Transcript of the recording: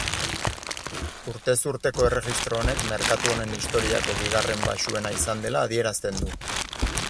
Urtez urteko erregistro honek merkatu honen historiako bigarren baxuena izan dela adierazten du.